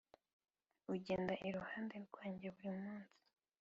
ugenda iruhande rwanjye buri munsi.